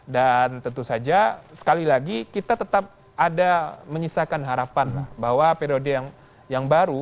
dan tentu saja sekali lagi kita tetap ada menyisakan harapan bahwa periode yang baru